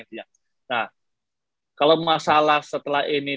nah kalau masalah setelah ini